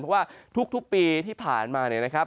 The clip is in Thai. เพราะว่าทุกปีที่ผ่านมาเนี่ยนะครับ